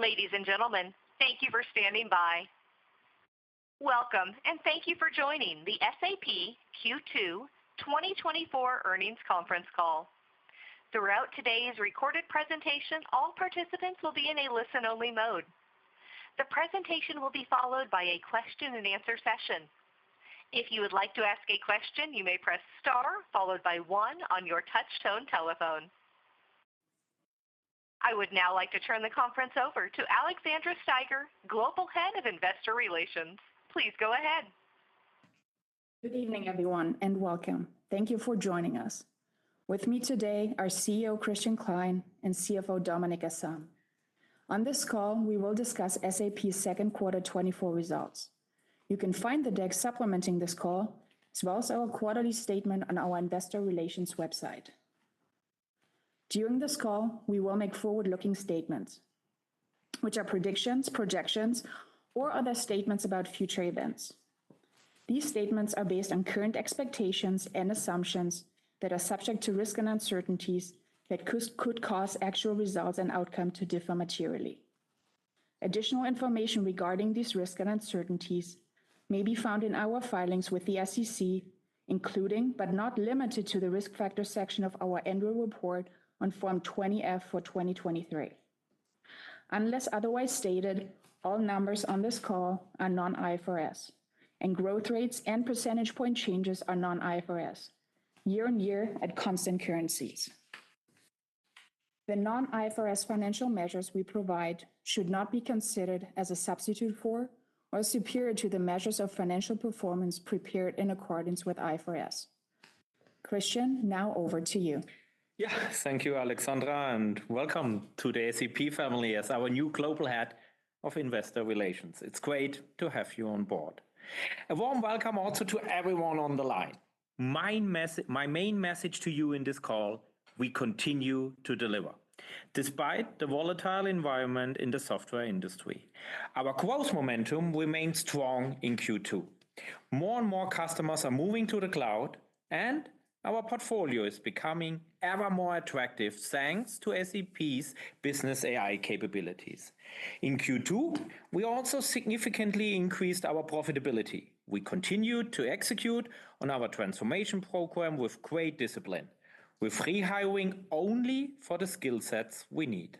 Ladies and gentlemen, thank you for standing by. Welcome, and thank you for joining the SAP Q2 2024 earnings conference call. Throughout today's recorded presentation, all participants will be in a listen-only mode. The presentation will be followed by a question and answer session. If you would like to ask a question, you may press star, followed by one on your touchtone telephone. I would now like to turn the conference over to Alexandra Steiger, Global Head of Investor Relations. Please go ahead. Good evening, everyone, and welcome. Thank you for joining us. With me today are CEO Christian Klein and CFO Dominik Asam. On this call, we will discuss SAP's second quarter 2024 results. You can find the deck supplementing this call, as well as our quarterly statement on our investor relations website. During this call, we will make forward-looking statements, which are predictions, projections, or other statements about future events. These statements are based on current expectations and assumptions that are subject to risks and uncertainties that could cause actual results and outcome to differ materially. Additional information regarding these risks and uncertainties may be found in our filings with the SEC, including, but not limited to, the Risk Factors section of our annual report on Form 20-F for 2023. Unless otherwise stated, all numbers on this call are non-IFRS, and growth rates and percentage point changes are non-IFRS, year-over-year at constant currencies. The non-IFRS financial measures we provide should not be considered as a substitute for or superior to the measures of financial performance prepared in accordance with IFRS. Christian, now over to you. Yeah. Thank you, Alexandra, and welcome to the SAP family as our new Global Head of Investor Relations. It's great to have you on board. A warm welcome also to everyone on the line. My main message to you in this call, we continue to deliver. Despite the volatile environment in the software industry, our growth momentum remains strong in Q2. More and more customers are moving to the cloud, and our portfolio is becoming ever more attractive, thanks to SAP's business AI capabilities. In Q2, we also significantly increased our profitability. We continued to execute on our transformation program with great discipline. We're rehiring only for the skill sets we need.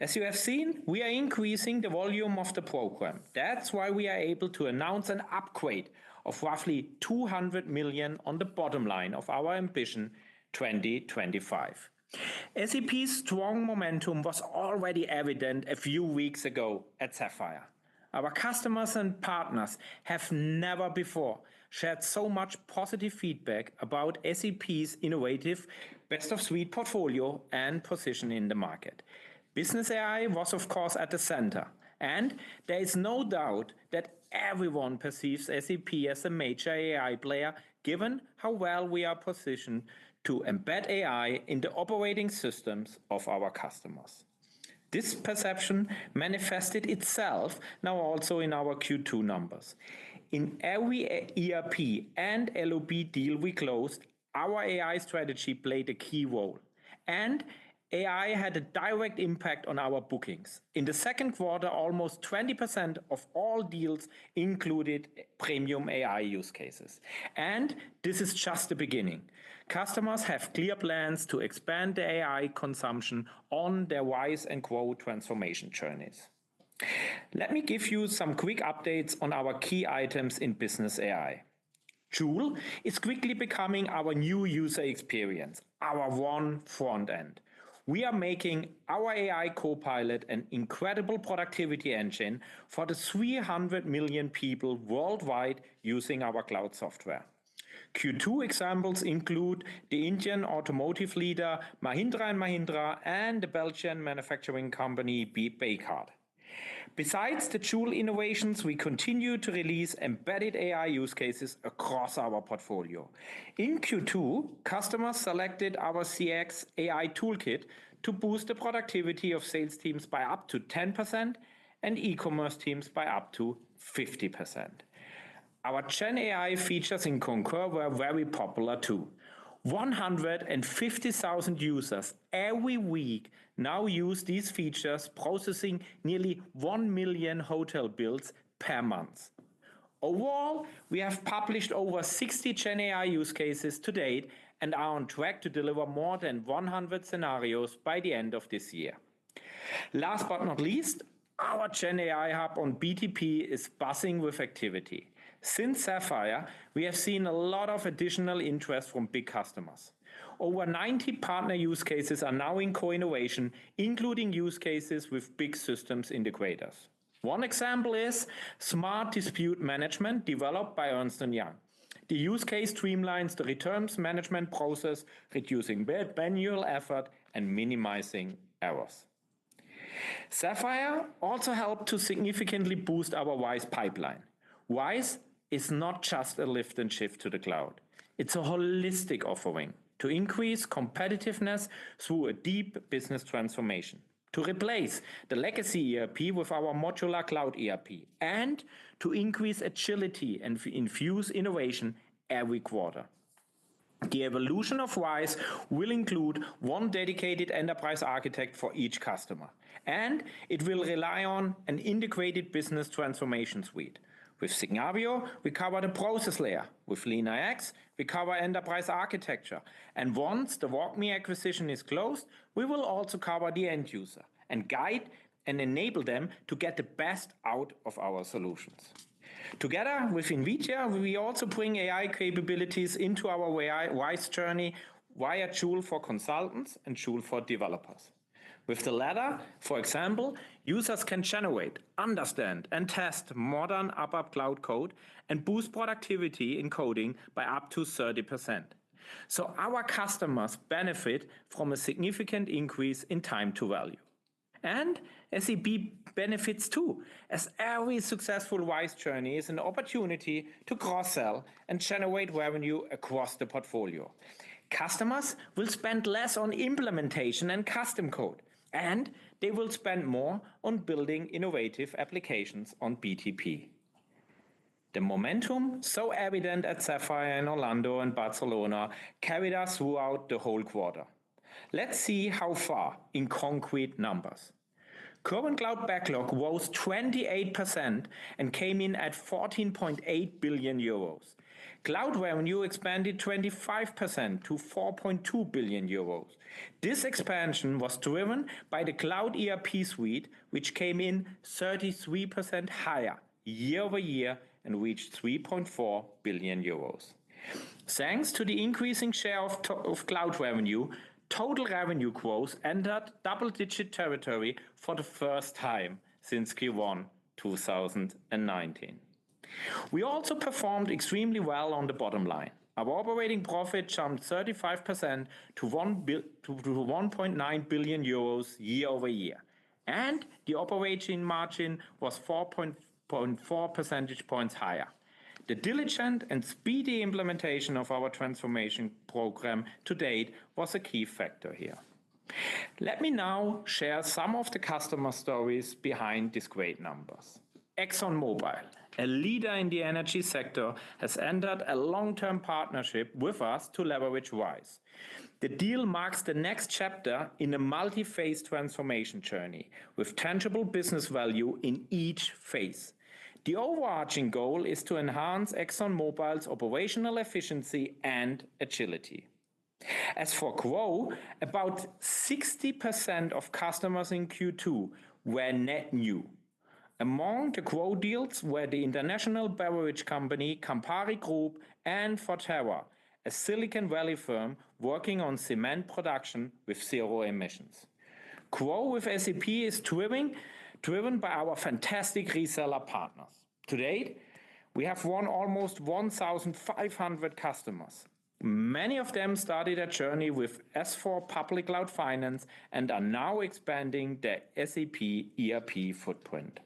As you have seen, we are increasing the volume of the program. That's why we are able to announce an upgrade of roughly 200 million on the bottom line of our Ambition 2025. SAP's strong momentum was already evident a few weeks ago at Sapphire. Our customers and partners have never before shared so much positive feedback about SAP's innovative best-of-suite portfolio and position in the market. Business AI was, of course, at the center, and there is no doubt that everyone perceives SAP as a major AI player, given how well we are positioned to embed AI in the operating systems of our customers. This perception manifested itself now also in our Q2 numbers. In every ERP and LOB deal we closed, our AI strategy played a key role, and AI had a direct impact on our bookings. In the second quarter, almost 20% of all deals included premium AI use cases, and this is just the beginning. Customers have clear plans to expand their AI consumption on their RISE and GROW transformation journeys. Let me give you some quick updates on our key items in business AI. Joule is quickly becoming our new user experience, our one front end. We are making our AI copilot an incredible productivity engine for the 300 million people worldwide using our cloud software. Q2 examples include the Indian automotive leader, Mahindra & Mahindra, and the Belgian manufacturing company, Bekaert. Besides the Joule innovations, we continue to release embedded AI use cases across our portfolio. In Q2, customers selected our CX AI toolkit to boost the productivity of sales teams by up to 10% and e-commerce teams by up to 50%. Our GenAI features in Concur were very popular, too. 150,000 users every week now use these features, processing nearly 1 million hotel bills per month. Overall, we have published over 60 GenAI use cases to date and are on track to deliver more than 100 scenarios by the end of this year. Last but not least, our GenAI Hub on BTP is buzzing with activity. Since SAP Sapphire, we have seen a lot of additional interest from big customers. Over 90 partner use cases are now in co-innovation, including use cases with big systems integrators. One example is Smart Dispute Management, developed by Ernst & Young. The use case streamlines the returns management process, reducing manual effort and minimizing errors. SAP Sapphire also helped to significantly boost our RISE pipeline. RISE is not just a lift and shift to the cloud. It's a holistic offering to increase competitiveness through a deep business transformation, to replace the legacy ERP with our modular cloud ERP, and to increase agility and infuse innovation every quarter. The evolution of RISE with SAP will include one dedicated enterprise architect for each customer, and it will rely on an integrated business transformation suite. With SAP Signavio, we cover the process layer. With SAP LeanIX, we cover enterprise architecture. And once the WalkMe acquisition is closed, we will also cover the end user and guide and enable them to get the best out of our solutions. Together with NVIDIA, we also bring AI capabilities into our RISE with SAP journey via tool for consultants and tool for developers. With the latter, for example, users can generate, understand, and test modern SAP ABAP cloud code and boost productivity in coding by up to 30%. So our customers benefit from a significant increase in time to value. And SAP benefits, too, as every successful RISE with SAP journey is an opportunity to cross-sell and generate revenue across the portfolio. Customers will spend less on implementation and custom code, and they will spend more on building innovative applications on BTP. The momentum so evident at SAP Sapphire in Orlando and Barcelona carried us throughout the whole quarter. Let's see how far in concrete numbers. Current cloud backlog was 28% and came in at 14.8 billion euros. Cloud revenue expanded 25% to 4.2 billion euros. This expansion was driven by the Cloud ERP Suite, which came in 33% higher year-over-year and reached 3.4 billion euros. Thanks to the increasing share of of cloud revenue, total revenue growth entered double-digit territory for the first time since Q1 2019. We also performed extremely well on the bottom line. Our operating profit jumped 35% to 1.9 billion euros year-over-year, and the operating margin was 4.4 percentage points higher. The diligent and speedy implementation of our transformation program to date was a key factor here. Let me now share some of the customer stories behind these great numbers. ExxonMobil, a leader in the energy sector, has entered a long-term partnership with us to leverage RISE. The deal marks the next chapter in a multi-phase transformation journey with tangible business value in each phase. The overarching goal is to enhance ExxonMobil's operational efficiency and agility. As for GROW, about 60% of customers in Q2 were net new. Among the GROW deals were the international beverage company, Campari Group, and Fortera, a Silicon Valley firm working on cement production with zero emissions. GROW with SAP is driven by our fantastic reseller partners. To date, we have won almost 1,500 customers. Many of them started a journey with S/4 Public Cloud Finance and are now expanding their SAP ERP footprint.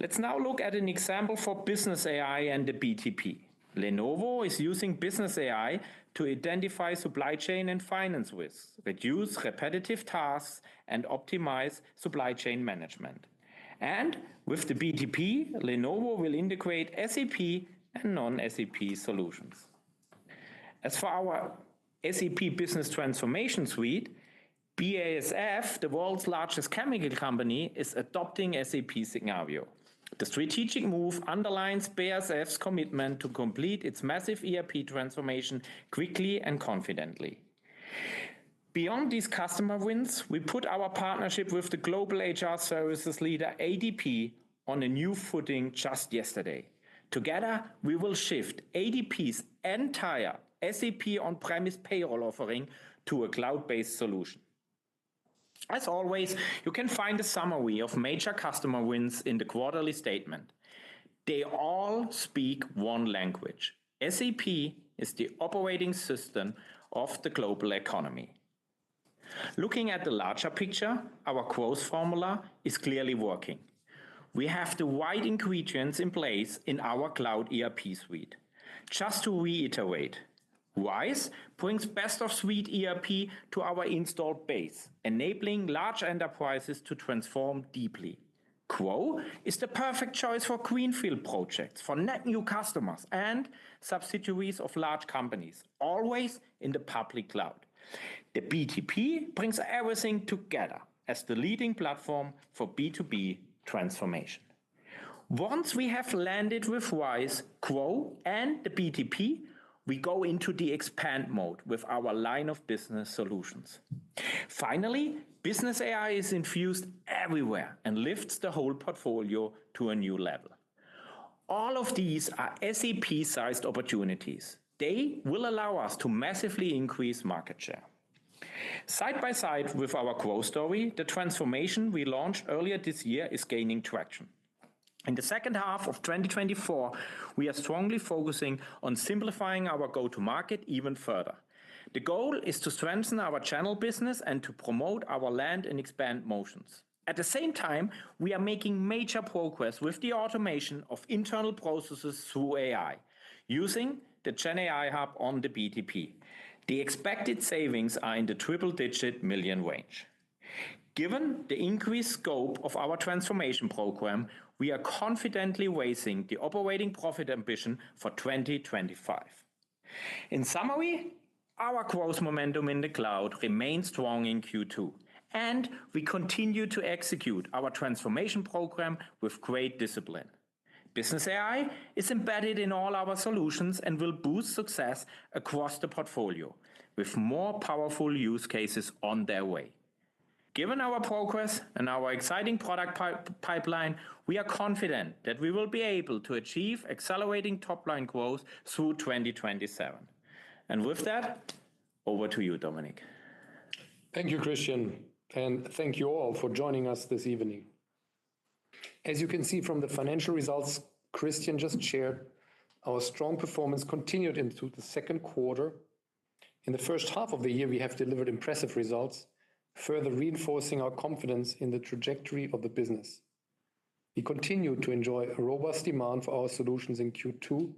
Let's now look at an example for business AI and the BTP. Lenovo is using business AI to identify supply chain and finance risks, reduce repetitive tasks, and optimize supply chain management. And with the BTP, Lenovo will integrate SAP and non-SAP solutions. As for our SAP business transformation suite, BASF, the world's largest chemical company, is adopting SAP Signavio. The strategic move underlines BASF's commitment to complete its massive ERP transformation quickly and confidently. Beyond these customer wins, we put our partnership with the global HR services leader, ADP, on a new footing just yesterday. Together, we will shift ADP's entire SAP on-premise payroll offering to a cloud-based solution. As always, you can find a summary of major customer wins in the quarterly statement. They all speak one language: SAP is the operating system of the global economy. Looking at the larger picture, our GROW formula is clearly working. We have the right ingredients in place in our Cloud ERP Suite. Just to reiterate, RISE brings best of suite ERP to our installed base, enabling large enterprises to transform deeply. GROW is the perfect choice for greenfield projects, for net new customers and subsidiaries of large companies, always in the public cloud. The BTP brings everything together as the leading platform for B2B transformation. Once we have landed with RISE, GROW, and the BTP, we go into the expand mode with our line of business solutions. Finally, business AI is infused everywhere and lifts the whole portfolio to a new level. All of these are SAP-sized opportunities. They will allow us to massively increase market share. Side by side with our GROW story, the transformation we launched earlier this year is gaining traction. In the second half of 2024, we are strongly focusing on simplifying our go-to-market even further. The goal is to strengthen our channel business and to promote our land and expand motions. At the same time, we are making major progress with the automation of internal processes through AI using the GenAI Hub on the BTP. The expected savings are in the triple-digit million EUR range.... Given the increased scope of our transformation program, we are confidently raising the operating profit ambition for 2025. In summary, our growth momentum in the cloud remains strong in Q2, and we continue to execute our transformation program with great discipline. Business AI is embedded in all our solutions and will boost success across the portfolio, with more powerful use cases on their way. Given our progress and our exciting product pipeline, we are confident that we will be able to achieve accelerating top-line growth through 2027. And with that, over to you, Dominik. Thank you, Christian, and thank you all for joining us this evening. As you can see from the financial results Christian just shared, our strong performance continued into the second quarter. In the first half of the year, we have delivered impressive results, further reinforcing our confidence in the trajectory of the business. We continued to enjoy a robust demand for our solutions in Q2,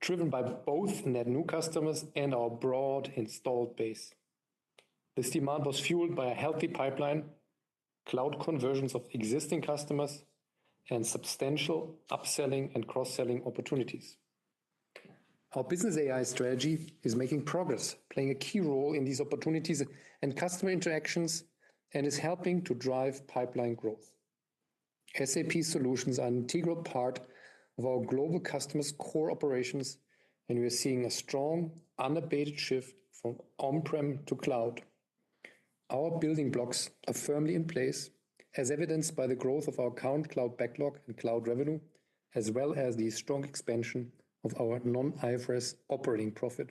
driven by both net new customers and our broad installed base. This demand was fueled by a healthy pipeline, cloud conversions of existing customers, and substantial upselling and cross-selling opportunities. Our Business AI strategy is making progress, playing a key role in these opportunities and customer interactions, and is helping to drive pipeline growth. SAP solutions are an integral part of our global customers' core operations, and we are seeing a strong, unabated shift from on-prem to cloud. Our building blocks are firmly in place, as evidenced by the growth of our current cloud backlog and cloud revenue, as well as the strong expansion of our non-IFRS operating profit.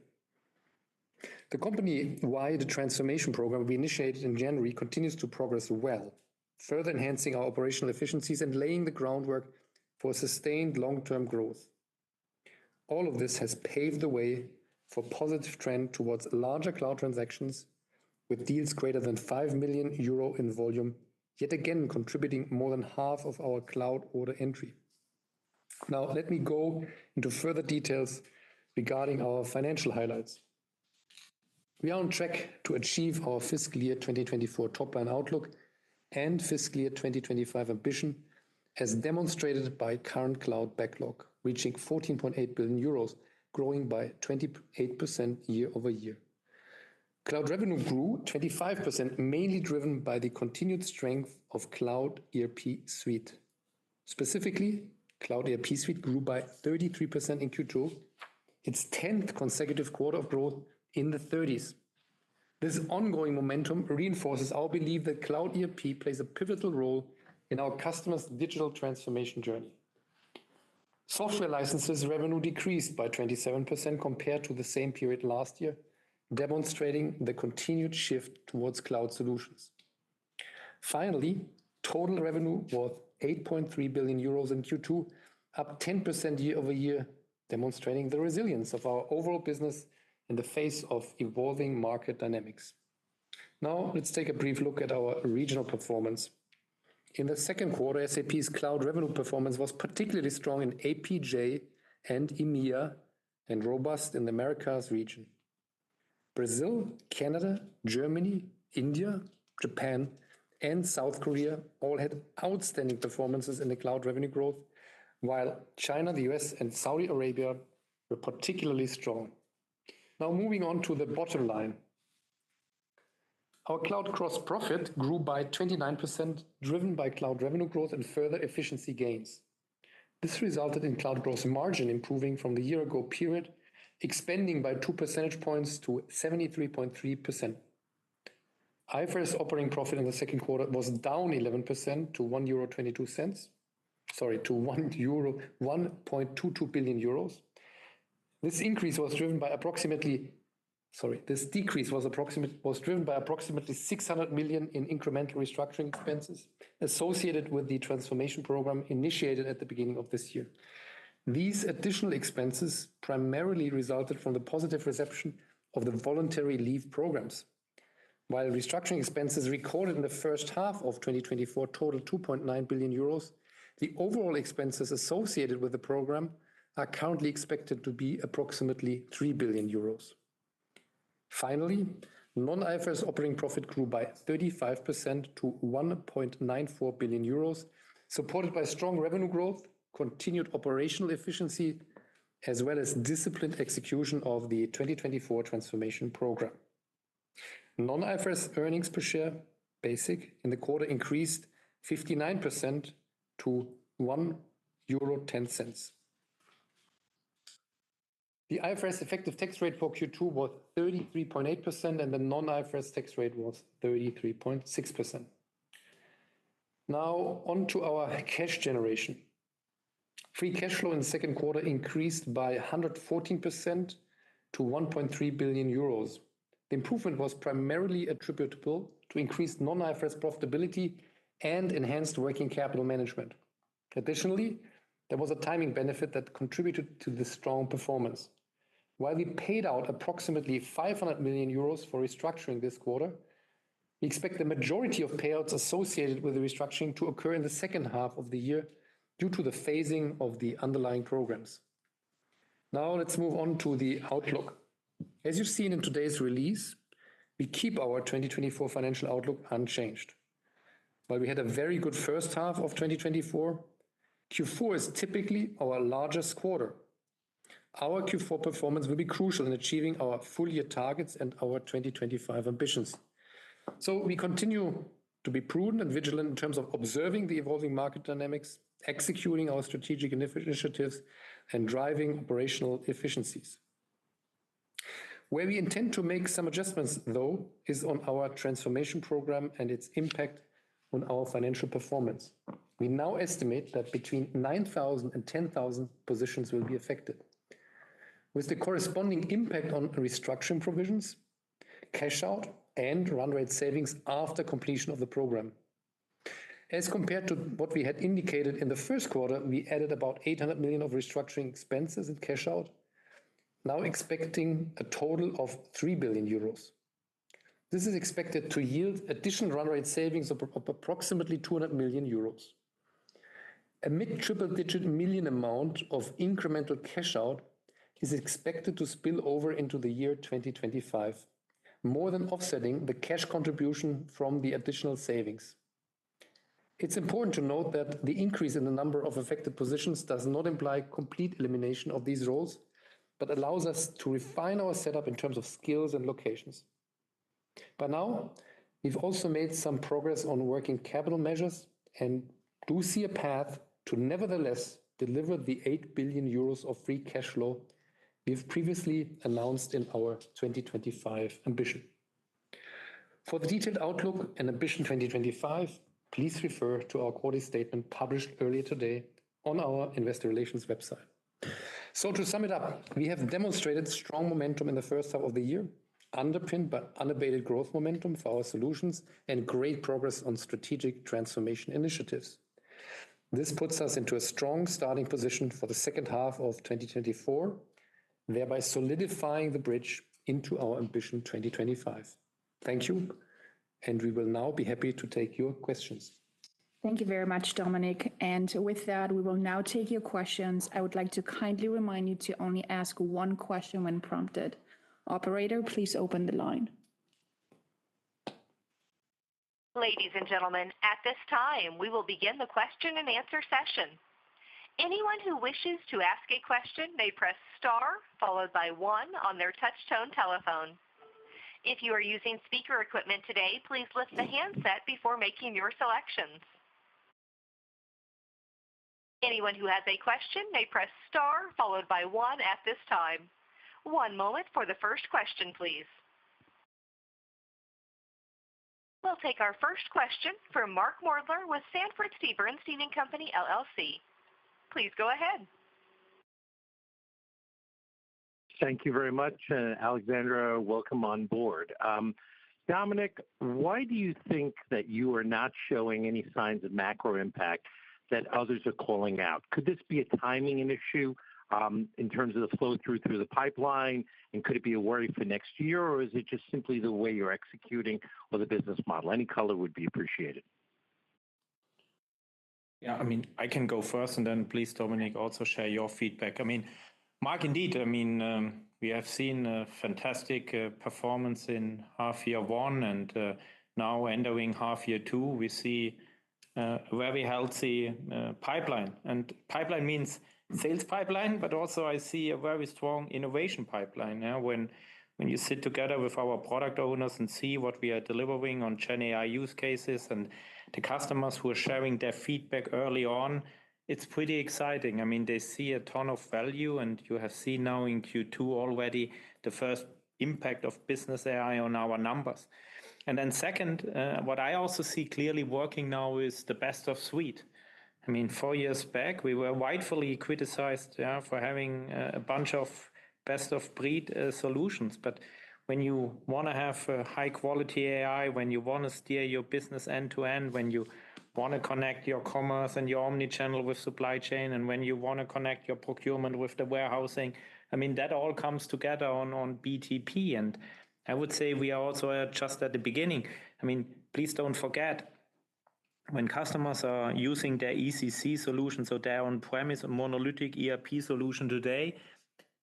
The company-wide transformation program we initiated in January continues to progress well, further enhancing our operational efficiencies and laying the groundwork for sustained long-term growth. All of this has paved the way for positive trend towards larger cloud transactions, with deals greater than 5 million euro in volume, yet again contributing more than half of our cloud order entry. Now, let me go into further details regarding our financial highlights. We are on track to achieve our fiscal year 2024 top-line outlook and fiscal year 2025 ambition, as demonstrated by current cloud backlog, reaching 14.8 billion euros, growing by 28% year-over-year. Cloud revenue grew 25%, mainly driven by the continued strength of Cloud ERP Suite. Specifically, Cloud ERP Suite grew by 33% in Q2, its 10th consecutive quarter of growth in the thirties. This ongoing momentum reinforces our belief that Cloud ERP plays a pivotal role in our customers' digital transformation journey. Software licenses revenue decreased by 27% compared to the same period last year, demonstrating the continued shift towards cloud solutions. Finally, total revenue was 8.3 billion euros in Q2, up 10% year-over-year, demonstrating the resilience of our overall business in the face of evolving market dynamics. Now, let's take a brief look at our regional performance. In the second quarter, SAP's cloud revenue performance was particularly strong in APJ and EMEA, and robust in the Americas region. Brazil, Canada, Germany, India, Japan, and South Korea all had outstanding performances in the cloud revenue growth, while China, the US, and Saudi Arabia were particularly strong. Now, moving on to the bottom line. Our cloud gross profit grew by 29%, driven by cloud revenue growth and further efficiency gains. This resulted in cloud gross margin improving from the year-ago period, expanding by 2 percentage points to 73.3%. IFRS operating profit in the second quarter was down 11% to one euro, twenty-two cents-- Sorry, to one euro -- 1.22 billion euros. This increase was driven by approximately... Sorry, this decrease was driven by approximately 600 million in incremental restructuring expenses associated with the transformation program initiated at the beginning of this year. These additional expenses primarily resulted from the positive reception of the voluntary leave programs. While restructuring expenses recorded in the first half of 2024 totaled 2.9 billion euros, the overall expenses associated with the program are currently expected to be approximately 3 billion euros. Finally, non-IFRS operating profit grew by 35% to 1.94 billion euros, supported by strong revenue growth, continued operational efficiency, as well as disciplined execution of the 2024 transformation program. Non-IFRS earnings per share, basic in the quarter increased 59% to EUR 1.10. The IFRS effective tax rate for Q2 was 33.8%, and the non-IFRS tax rate was 33.6%. Now, on to our cash generation. Free cash flow in the second quarter increased by 114% to 1.3 billion euros. The improvement was primarily attributable to increased non-IFRS profitability and enhanced working capital management. Additionally, there was a timing benefit that contributed to the strong performance. While we paid out approximately 500 million euros for restructuring this quarter, we expect the majority of payouts associated with the restructuring to occur in the second half of the year due to the phasing of the underlying programs. Now let's move on to the outlook. As you've seen in today's release, we keep our 2024 financial outlook unchanged. While we had a very good first half of 2024, Q4 is typically our largest quarter. Our Q4 performance will be crucial in achieving our full year targets and our 2025 ambitions. So we continue to be prudent and vigilant in terms of observing the evolving market dynamics, executing our strategic initiatives, and driving operational efficiencies. Where we intend to make some adjustments, though, is on our transformation program and its impact on our financial performance. We now estimate that between 9,000 and 10,000 positions will be affected, with the corresponding impact on restructuring provisions, cash out, and run rate savings after completion of the program. As compared to what we had indicated in the first quarter, we added about 800 million of restructuring expenses and cash out, now expecting a total of 3 billion euros. This is expected to yield additional run rate savings of approximately 200 million euros. A mid triple-digit million EUR amount of incremental cash out is expected to spill over into the year 2025, more than offsetting the cash contribution from the additional savings. It's important to note that the increase in the number of affected positions does not imply complete elimination of these roles, but allows us to refine our setup in terms of skills and locations. By now, we've also made some progress on working capital measures and do see a path to nevertheless deliver the 8 billion euros of free cash flow we've previously announced in our 2025 ambition. For the detailed outlook and Ambition 2025, please refer to our quarterly statement published earlier today on our Investor Relations website. To sum it up, we have demonstrated strong momentum in the first half of the year, underpinned by unabated growth momentum for our solutions and great progress on strategic transformation initiatives. This puts us into a strong starting position for the second half of 2024, thereby solidifying the bridge into our Ambition 2025. Thank you, and we will now be happy to take your questions. Thank you very much, Dominik, and with that, we will now take your questions. I would like to kindly remind you to only ask one question when prompted. Operator, please open the line. Ladies and gentlemen, at this time, we will begin the question and answer session. Anyone who wishes to ask a question may press star, followed by one on their touch tone telephone. If you are using speaker equipment today, please lift the handset before making your selections. Anyone who has a question may press star, followed by one at this time. One moment for the first question, please. We'll take our first question from Mark Moerdler with Sanford C. Bernstein & Co., LLC. Please go ahead. Thank you very much, and Alexandra, welcome on board. Dominik, why do you think that you are not showing any signs of macro impact that others are calling out? Could this be a timing issue, in terms of the flow-through through the pipeline, and could it be a worry for next year, or is it just simply the way you're executing or the business model? Any color would be appreciated. Yeah, I mean, I can go first, and then please, Dominik, also share your feedback. I mean, Mark, indeed, I mean, we have seen a fantastic performance in half year one, and now entering half year two, we see a very healthy pipeline. And pipeline means sales pipeline, but also I see a very strong innovation pipeline now. When you sit together with our product owners and see what we are delivering on GenAI use cases and the customers who are sharing their feedback early on, it's pretty exciting. I mean, they see a ton of value, and you have seen now in Q2 already the first impact of business AI on our numbers. And then second, what I also see clearly working now is the best of suite. I mean, four years back, we were rightfully criticized, yeah, for having a, a bunch of best of breed, solutions. But when you want to have a high quality AI, when you want to steer your business end to end, when you want to connect your commerce and your omni-channel with supply chain, and when you want to connect your procurement with the warehousing, I mean, that all comes together on, on BTP, and I would say we are also, just at the beginning. I mean, please don't forget, when customers are using their ECC solution, so their on-premise monolithic ERP solution today,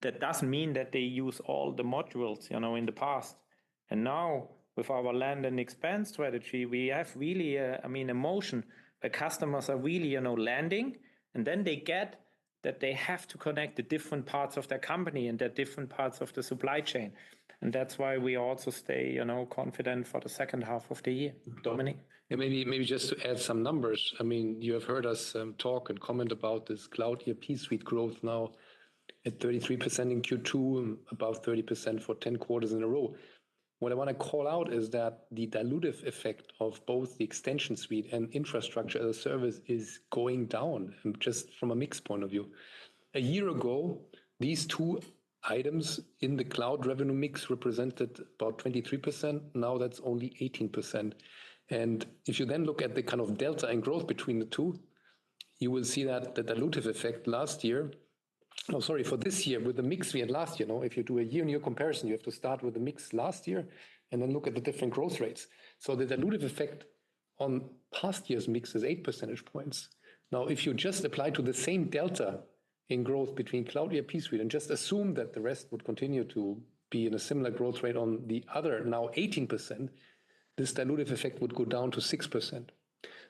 that doesn't mean that they use all the modules, you know, in the past. And now, with our land and expand strategy, we have really a, I mean, a motion. The customers are really, you know, landing, and then they get that they have to connect the different parts of their company and the different parts of the supply chain. That's why we also stay, you know, confident for the second half of the year. Dominik? And maybe, maybe just to add some numbers. I mean, you have heard us talk and comment about this Cloud ERP Suite growth now at 33% in Q2, and above 30% for 10 quarters in a row. What I want to call out is that the dilutive effect of both the Extension Suite and Infrastructure as a Service is going down, just from a mix point of view. A year ago, these two items in the cloud revenue mix represented about 23%. Now, that's only 18%. And if you then look at the kind of delta and growth between the two, you will see that the dilutive effect last year... I'm sorry, for this year, with the mix we had last year, you know, if you do a year-on-year comparison, you have to start with the mix last year and then look at the different growth rates. So the dilutive effect on past year's mix is 8 percentage points. Now, if you just apply to the same delta in growth between Cloud and SAP Suite, and just assume that the rest would continue to be in a similar growth rate on the other, now 18%, this dilutive effect would go down to 6%.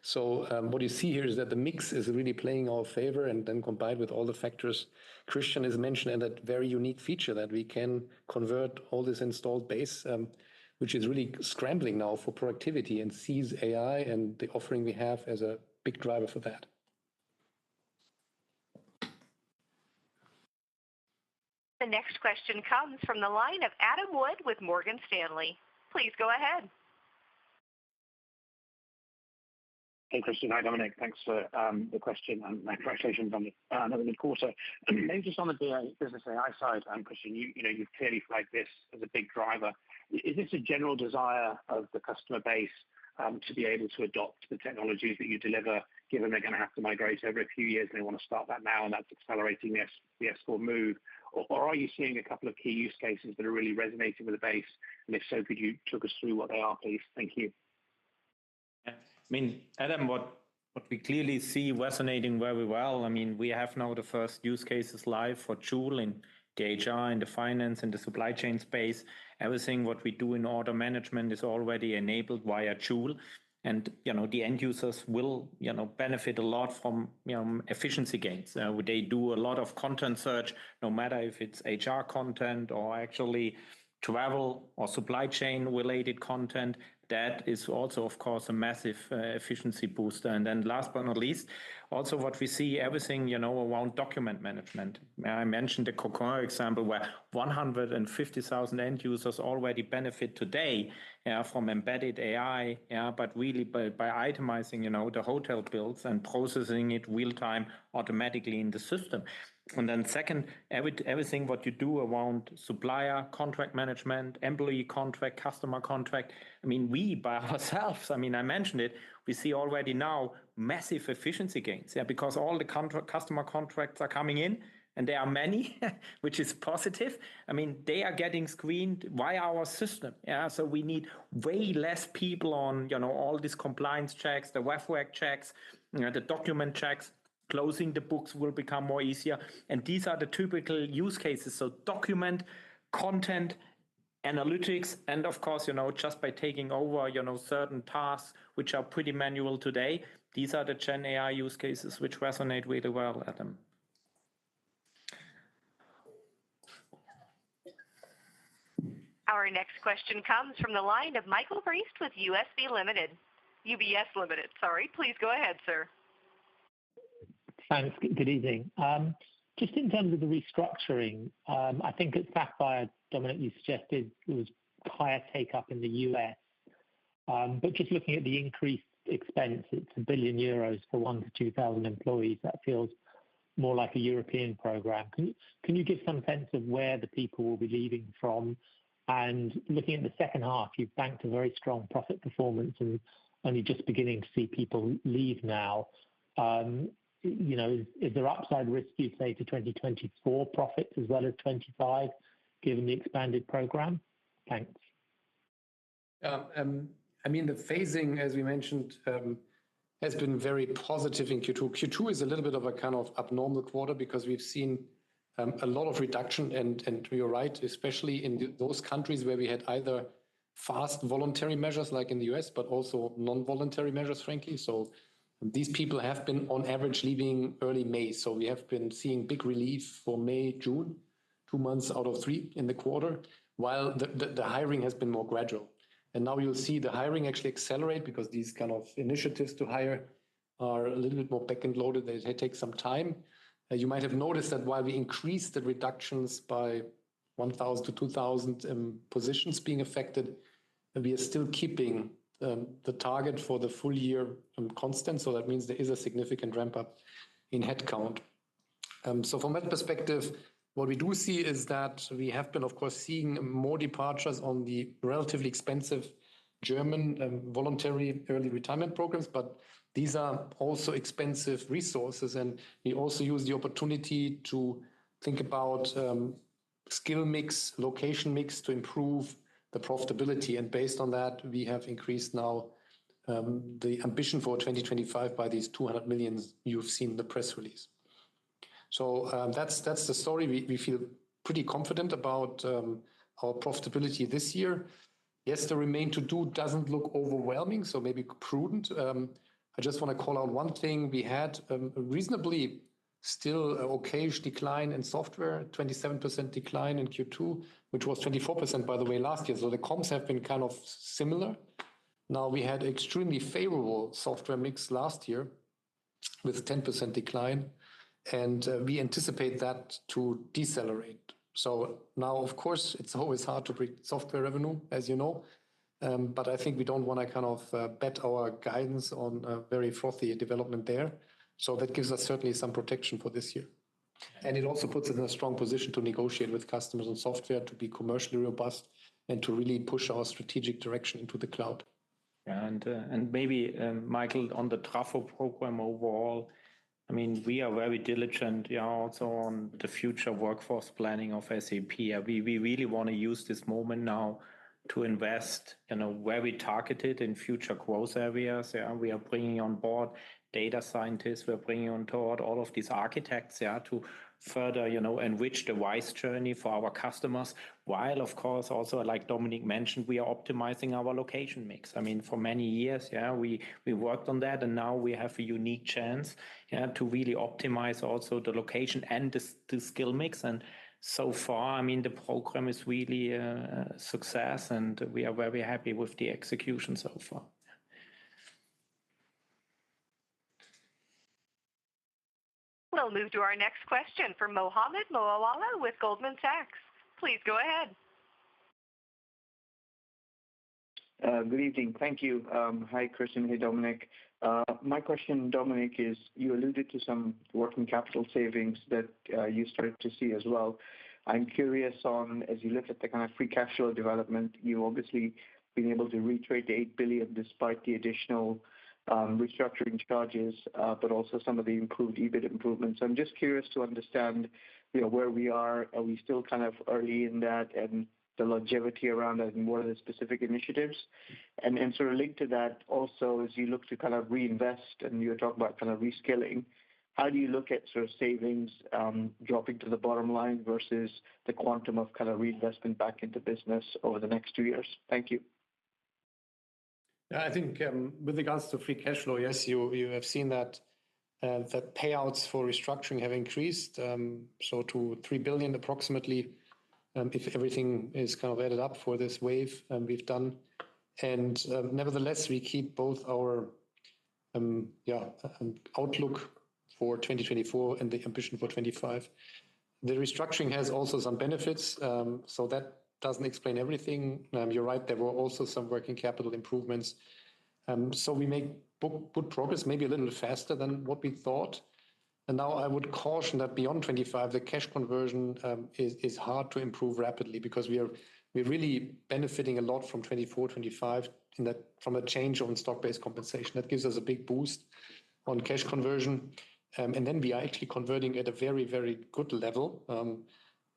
So, what you see here is that the mix is really playing our favor, and then combined with all the factors Christian has mentioned, and that very unique feature that we can convert all this installed base, which is really scrambling now for productivity and sees AI and the offering we have as a big driver for that. The next question comes from the line of Adam Wood with Morgan Stanley. Please go ahead. Hey, Christian. Hi, Dominik. Thanks for the question and my congratulations on another good quarter. Just on the business AI side, Christian, you know, you've clearly flagged this as a big driver. Is this a general desire of the customer base to be able to adopt the technologies that you deliver, given they're gonna have to migrate every few years, and they wanna start that now, and that's accelerating the S/4 move? Or are you seeing a couple of key use cases that are really resonating with the base, and if so, could you talk us through what they are, please? Thank you. Yeah. I mean, Adam, what, what we clearly see resonating very well, I mean, we have now the first use cases live for Joule and the HR and the finance and the supply chain space. Everything what we do in order management is already enabled via Joule, and, you know, the end users will, you know, benefit a lot from efficiency gains. They do a lot of content search, no matter if it's HR content or actually travel or supply chain-related content. That is also, of course, a massive efficiency booster. And then last but not least, also what we see, everything, you know, around document management. I mentioned the Concur example, where 150,000 end users already benefit today from embedded AI, but really by, by itemizing, you know, the hotel bills and processing it real-time, automatically in the system. And then second, everything what you do around supplier, contract management, employee contract, customer contract, I mean, we, by ourselves, I mean, I mentioned it, we see already now massive efficiency gains. Yeah, because all the contract, customer contracts are coming in, and there are many, which is positive. I mean, they are getting screened via our system, yeah? So we need way less people on, you know, all these compliance checks, the WAF work checks, you know, the document checks. Closing the books will become more easier, and these are the typical use cases. So document, content, analytics, and of course, you know, just by taking over, you know, certain tasks, which are pretty manual today, these are the GenAI use cases which resonate really well, Adam. Our next question comes from the line of Michael Briest with UBS Limited. UBS Limited, sorry. Please go ahead, sir. Thanks. Good evening. Just in terms of the restructuring, I think at Sapphire, Dominik, you suggested it was higher take-up in the U.S. But just looking at the increased expense, it's 1 billion for 1,000-2,000 employees. That feels more like a European program. Can you give some sense of where the people will be leaving from? And looking in the second half, you've banked a very strong profit performance and you're just beginning to see people leave now. You know, is there upside risks, you'd say, to 2024 profits as well as 2025, given the expanded program? Thanks. I mean, the phasing, as we mentioned, has been very positive in Q2. Q2 is a little bit of a kind of abnormal quarter because we've seen a lot of reduction and, and you're right, especially in those countries where we had either fast voluntary measures, like in the U.S., but also non-voluntary measures, frankly. So these people have been, on average, leaving early May. So we have been seeing big relief for May, June, two months out of three in the quarter, while the hiring has been more gradual. And now you'll see the hiring actually accelerate because these kind of initiatives to hire are a little bit more back-end loaded. They take some time. As you might have noticed that while we increased the reductions by 1,000-2,000 positions being affected, we are still keeping the target for the full year constant. So that means there is a significant ramp-up in headcount. So from that perspective, what we do see is that we have been, of course, seeing more departures on the relatively expensive German voluntary early retirement programs, but these are also expensive resources, and we also use the opportunity to think about skill mix, location mix, to improve the profitability, and based on that, we have increased now the ambition for 2025 by 200 million. You've seen the press release. So, that's, that's the story. We, we feel pretty confident about our profitability this year. Yes, the remain to do doesn't look overwhelming, so maybe prudent. I just wanna call out one thing. We had a reasonably still okay-ish decline in software, 27% decline in Q2, which was 24%, by the way, last year. So the comps have been kind of similar. Now, we had extremely favorable software mix last year with a 10% decline, and we anticipate that to decelerate. So now, of course, it's always hard to break software revenue, as you know, but I think we don't wanna kind of bet our guidance on a very frothy development there. So that gives us certainly some protection for this year. And it also puts us in a strong position to negotiate with customers on software, to be commercially robust, and to really push our strategic direction into the cloud.... And maybe, Michael, on the transformation program overall, I mean, we are very diligent, yeah, also on the future workforce planning of SAP. We really want to use this moment now to invest in a very targeted and future growth areas. Yeah, we are bringing on board data scientists, we are bringing on board all of these architects, yeah, to further, you know, enrich the RISE journey for our customers, while of course, also, like Dominik mentioned, we are optimizing our location mix. I mean, for many years, yeah, we worked on that, and now we have a unique chance, yeah, to really optimize also the location and the skill mix. And so far, I mean, the program is really a success, and we are very happy with the execution so far. We'll move to our next question from Mohammed Moawalla with Goldman Sachs. Please go ahead. Good evening. Thank you. Hi, Christian. Hey, Dominik. My question, Dominik, is, you alluded to some working capital savings that you started to see as well. I'm curious on, as you look at the kind of free cash flow development, you've obviously been able to retain the 8 billion, despite the additional restructuring charges, but also some of the improved EBIT improvements. I'm just curious to understand, you know, where we are. Are we still kind of early in that and the longevity around as more of the specific initiatives? And then sort of linked to that also, as you look to kind of reinvest and you talk about kind of reskilling, how do you look at sort of savings dropping to the bottom line versus the quantum of kind of reinvestment back into business over the next two years? Thank you. I think, with regards to free cash flow, yes, you, you have seen that, the payouts for restructuring have increased, so to approximately 3 billion, if everything is kind of added up for this wave, and we've done. Nevertheless, we keep both our, yeah, outlook for 2024 and the ambition for 2025. The restructuring has also some benefits, so that doesn't explain everything. You're right, there were also some working capital improvements. So we make good, good progress, maybe a little faster than what we thought. And now I would caution that beyond 2025, the cash conversion, is, is hard to improve rapidly because we are, we're really benefiting a lot from 2024, 2025 in that from a change on stock-based compensation. That gives us a big boost on cash conversion, and then we are actually converting at a very, very good level.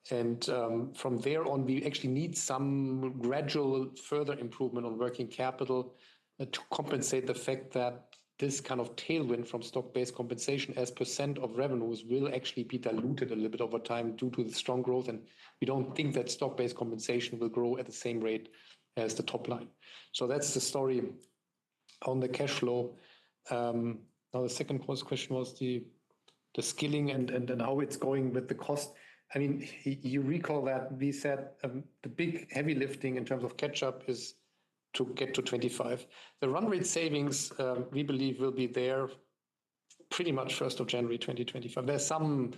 From there on, we actually need some gradual further improvement on working capital, to compensate the fact that this kind of tailwind from stock-based compensation as % of revenues will actually be diluted a little bit over time due to the strong growth, and we don't think that stock-based compensation will grow at the same rate as the top line. So that's the story on the cash flow. Now, the second close question was the skilling and how it's going with the cost. I mean, you recall that we said the big heavy lifting in terms of catch up is to get to 25. The run rate savings, we believe, will be there pretty much first of January 2025. There's some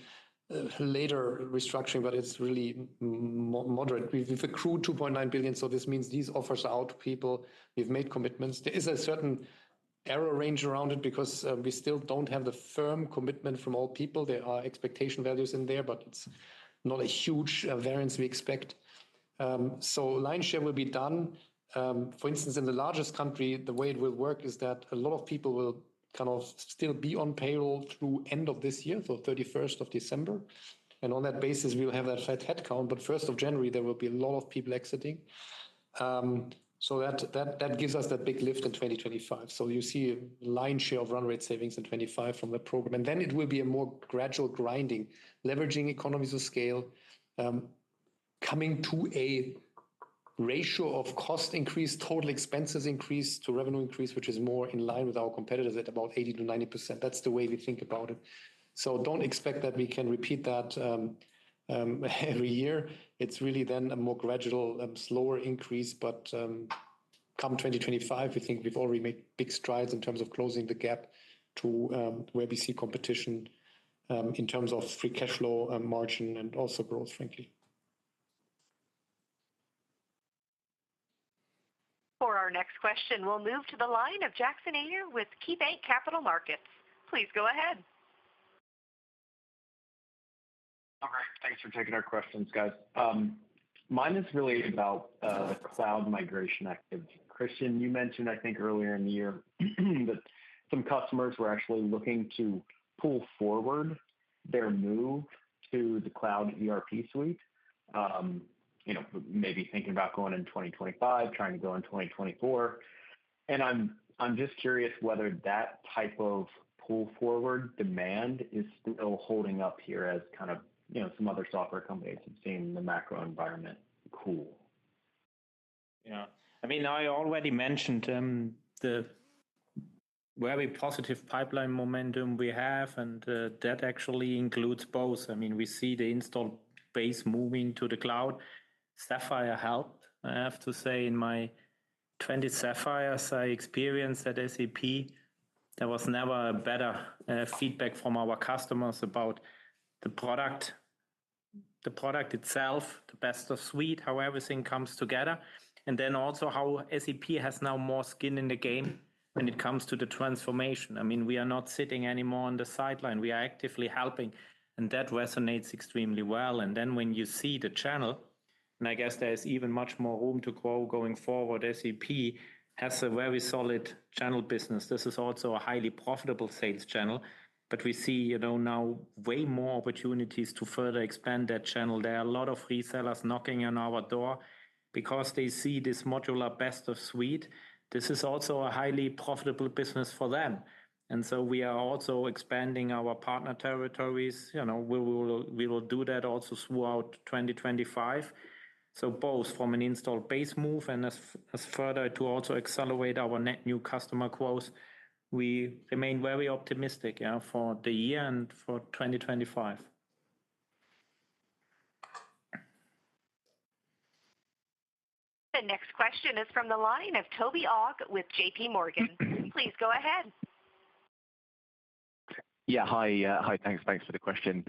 later restructuring, but it's really moderate. We've accrued 2.9 billion, so this means these offers are out to people. We've made commitments. There is a certain error range around it because we still don't have the firm commitment from all people. There are expectation values in there, but it's not a huge variance we expect. So line share will be done. For instance, in the largest country, the way it will work is that a lot of people will kind of still be on payroll through end of this year, so December 31, and on that basis, we'll have that flat headcount. But first of January, there will be a lot of people exiting. So that gives us that big lift in 2025. So you see a line share of run rate savings in 2025 from the program, and then it will be a more gradual grinding, leveraging economies of scale, coming to a ratio of cost increase, total expenses increase to revenue increase, which is more in line with our competitors at about 80%-90%. That's the way we think about it. So don't expect that we can repeat that every year. It's really then a more gradual and slower increase, but come 2025, we think we've already made big strides in terms of closing the gap to where we see competition in terms of free cash flow and margin and also growth, frankly. For our next question, we'll move to the line of Jackson Ader with KeyBanc Capital Markets. Please go ahead. All right. Thanks for taking our questions, guys. Mine is really about cloud migration activity. Christian, you mentioned, I think earlier in the year, that some customers were actually looking to pull forward their move to the Cloud ERP Suite. You know, maybe thinking about going in 2025, trying to go in 2024. And I'm just curious whether that type of pull forward demand is still holding up here as kind of, you know, some other software companies have seen the macro environment cool. Yeah. I mean, I already mentioned the very positive pipeline momentum we have, and that actually includes both. I mean, we see the installed base moving to the cloud. Sapphire helped, I have to say, in my 20 SAP Sapphires I experienced at SAP, there was never a better feedback from our customers about the product, the product itself, the best of suite, how everything comes together, and then also how SAP has now more skin in the game when it comes to the transformation. I mean, we are not sitting anymore on the sideline. We are actively helping, and that resonates extremely well. And then when you see the channel and I guess there's even much more room to grow going forward. SAP has a very solid channel business. This is also a highly profitable sales channel, but we see, you know, now way more opportunities to further expand that channel. There are a lot of resellers knocking on our door because they see this modular best of suite. This is also a highly profitable business for them, and so we are also expanding our partner territories. You know, we will, we will do that also throughout 2025. So both from an installed base move and as further to also accelerate our net new customer growth. We remain very optimistic, yeah, for the year and for 2025. The next question is from the line of Toby Ogg with J.P. Morgan. Please go ahead. Yeah. Hi. Hi. Thanks, thanks for the question.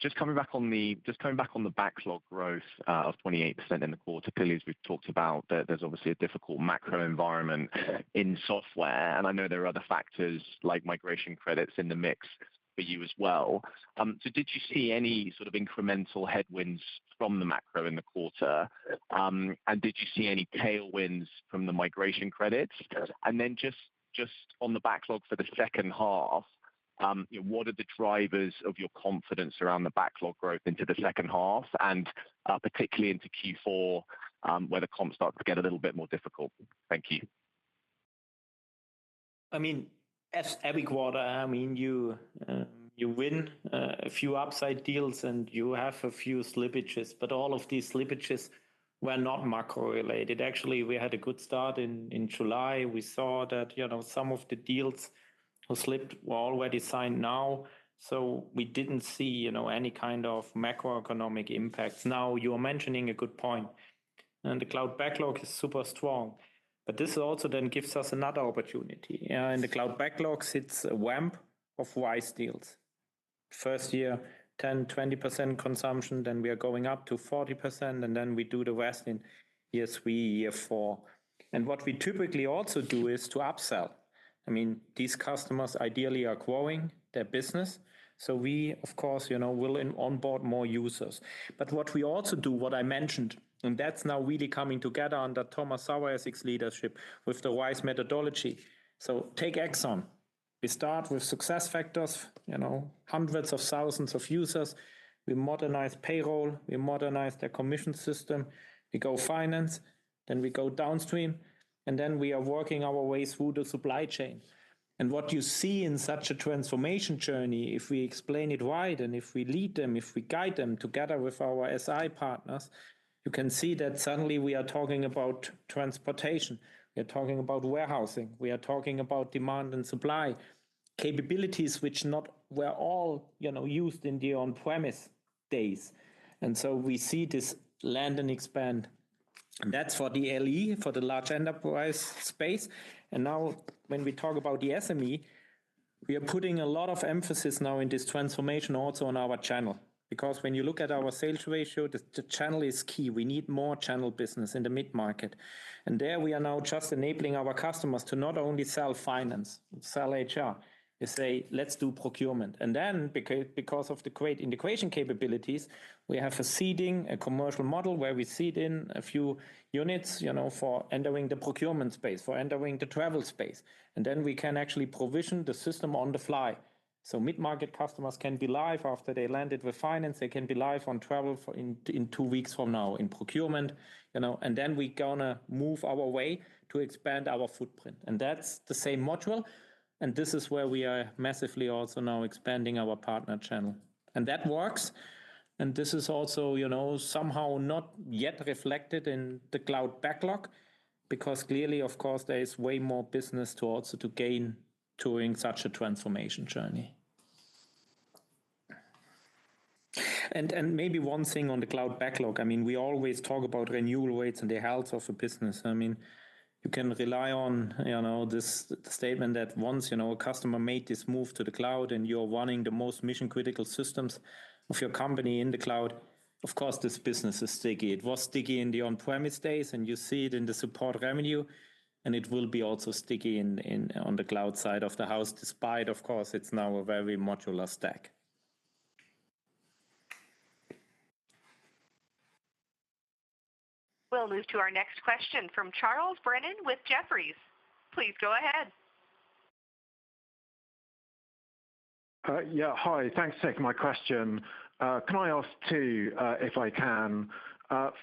Just coming back on the-- just coming back on the backlog growth of 28% in the quarter. Clearly, as we've talked about, there, there's obviously a difficult macro environment in software, and I know there are other factors like migration credits in the mix for you as well. So did you see any sort of incremental headwinds from the macro in the quarter? And did you see any tailwinds from the migration credits? And then just, just on the backlog for the second half, you know, what are the drivers of your confidence around the backlog growth into the second half and, particularly into Q4, where the comms start to get a little bit more difficult? Thank you. I mean, as every quarter, I mean, you, you win, a few upside deals, and you have a few slippages, but all of these slippages were not macro-related. Actually, we had a good start in July. We saw that, you know, some of the deals who slipped were already signed now. So we didn't see, you know, any kind of macroeconomic impact. Now, you're mentioning a good point, and the cloud backlog is super strong, but this also then gives us another opportunity. In the cloud backlogs, it's a ramp of RISE deals. First year, 10, 20% consumption, then we are going up to 40%, and then we do the rest in year three, year four. And what we typically also do is to upsell. I mean, these customers ideally are growing their business, so we, of course, you know, will on-board more users. But what we also do, what I mentioned, and that's now really coming together under Thomas Saueressig's leadership with the RISE methodology. So take Exxon. We start with SuccessFactors, you know, hundreds of thousands of users. We modernize payroll, we modernize their commission system, we go finance, then we go downstream, and then we are working our way through the supply chain. And what you see in such a transformation journey, if we explain it wide and if we lead them, if we guide them together with our SI partners, you can see that suddenly we are talking about transportation, we are talking about warehousing, we are talking about demand and supply. Capabilities which not were all, you know, used in the on-premise days. And so we see this land and expand. That's for the LE, for the large enterprise space. And now, when we talk about the SME, we are putting a lot of emphasis now in this transformation also on our channel. Because when you look at our sales ratio, the channel is key. We need more channel business in the mid-market. And there, we are now just enabling our customers to not only sell finance and sell HR, they say, "Let's do procurement." And then, because of the great integration capabilities, we have a seeding, a commercial model, where we seed in a few units, you know, for entering the procurement space, for entering the travel space, and then we can actually provision the system on the fly. So mid-market customers can be live after they landed with finance. They can be live on travel in two weeks from now, in procurement, you know, and then we're gonna move our way to expand our footprint. That's the same module, and this is where we are massively also now expanding our partner channel. And that works, and this is also, you know, somehow not yet reflected in the cloud backlog, because clearly, of course, there is way more business to also to gain during such a transformation journey. And maybe one thing on the cloud backlog, I mean, we always talk about renewal rates and the health of a business. I mean, you can rely on, you know, this statement that once, you know, a customer made this move to the cloud and you're running the most mission-critical systems of your company in the cloud, of course, this business is sticky. It was sticky in the on-premise days, and you see it in the support revenue, and it will be also sticky in on the cloud side of the house, despite, of course, it's now a very modular stack. We'll move to our next question from Charles Brennan with Jefferies. Please go ahead. Yeah, hi. Thanks for taking my question. Can I ask two, if I can?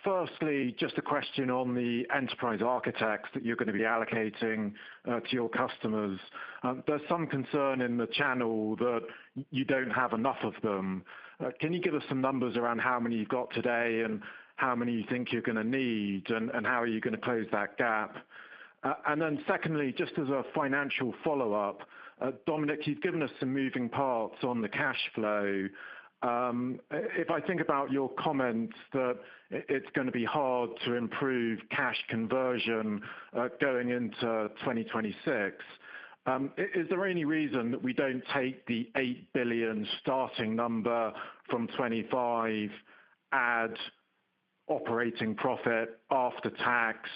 Firstly, just a question on the enterprise architects that you're gonna be allocating to your customers. There's some concern in the channel that you don't have enough of them. Can you give us some numbers around how many you've got today and how many you think you're gonna need, and how are you gonna close that gap? And then secondly, just as a financial follow-up, Dominik, you've given us some moving parts on the cash flow. If I think about your comments that it's gonna be hard to improve cash conversion, going into 2026, is there any reason that we don't take the 8 billion starting number from 2025, add operating profit after tax?...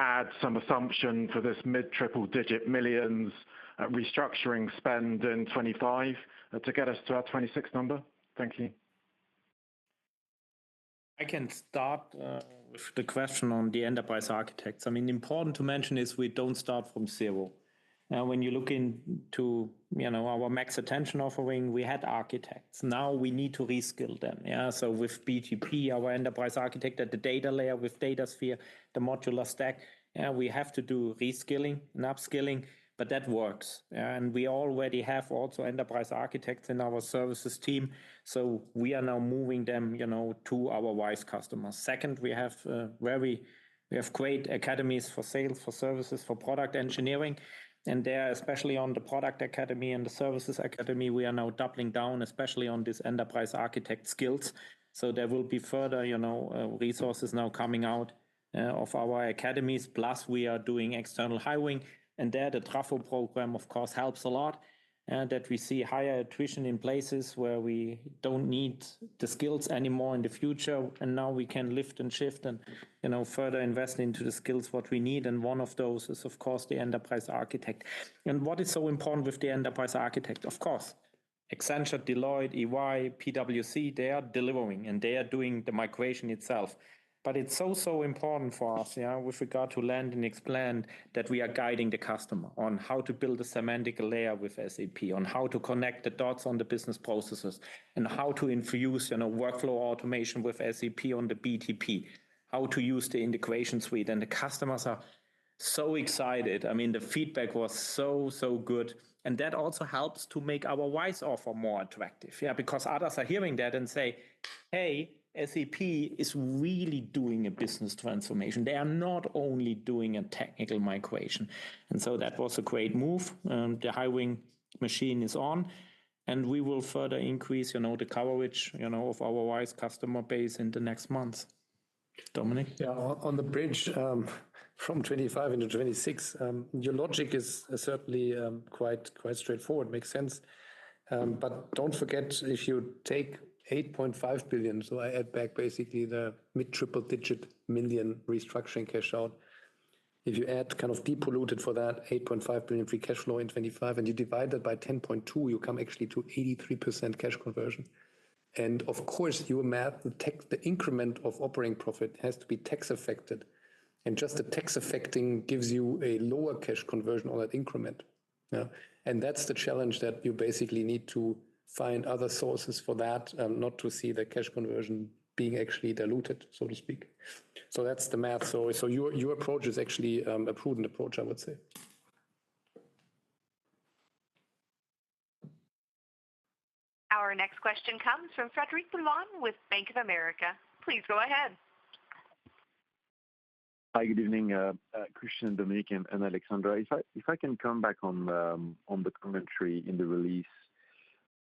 add some assumption for this mid triple-digit millions EUR restructuring spend in 2025 to get us to our 2026 number? Thank you. I can start with the question on the enterprise architects. I mean, important to mention is we don't start from zero. Now, when you look into, you know, our MaxAttention offering, we had architects. Now we need to reskill them. Yeah, so with BTP, our enterprise architect at the data layer, with Datasphere, the modular stack, we have to do reskilling and upskilling, but that works. And we already have also enterprise architects in our services team, so we are now moving them, you know, to our RISE customers. Second, we have great academies for sales, for services, for product engineering, and they are especially on the product academy and the services academy, we are now doubling down, especially on this enterprise architect skills. So there will be further, you know, resources now coming out of our academies. Plus, we are doing external hiring, and there, the truffle program of course helps a lot, and that we see higher attrition in places where we don't need the skills anymore in the future, and now we can lift and shift and, you know, further invest into the skills what we need, and one of those is of course the enterprise architect. And what is so important with the enterprise architect? Of course, Accenture, Deloitte, EY, PwC, they are delivering, and they are doing the migration itself. But it's also important for us, yeah, with regard to land and expand, that we are guiding the customer on how to build a semantic layer with SAP, on how to connect the dots on the business processes, and how to infuse, you know, workflow automation with SAP on the BTP, how to use the integration Suite. And the customers are so excited. I mean, the feedback was so, so good, and that also helps to make our RISE offer more attractive. Yeah, because others are hearing that and say, "Hey, SAP is really doing a business transformation. They are not only doing a technical migration." And so that was a great move, and the hiring machine is on, and we will further increase, you know, the coverage, you know, of our RISE customer base in the next months. Dominik? Yeah, on, on the bridge, from 2025 into 2026, your logic is certainly quite, quite straightforward. Makes sense. But don't forget, if you take 8.5 billion, so I add back basically the mid triple-digit million restructuring cash out. If you add kind of depleted for that 8.5 billion free cash flow in 2025, and you divide that by 10.2, you come actually to 83% cash conversion. And of course, you will match the tax, the increment of operating profit has to be tax affected, and just the tax affecting gives you a lower cash conversion on that increment. Yeah, and that's the challenge, that you basically need to find other sources for that, not to see the cash conversion being actually diluted, so to speak. So that's the math. So, your approach is actually a prudent approach, I would say. Our next question comes from FrederickBoulan with Bank of America. Please go ahead. Hi, good evening, Christian, Dominik, and Alexandra. If I, if I can come back on the, on the commentary in the release